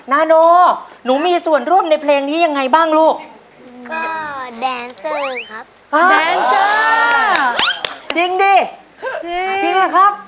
นาโนหนูมีส่วนร่วมในเพลงที่ยังไงบ้างลูกก็แดนสื่อครับจริงดิจริงแล้วครับ